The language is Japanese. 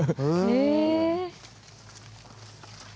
へえ。